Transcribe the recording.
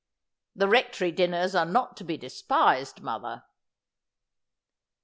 ' The Rectory dinners are not to be despised, mother.'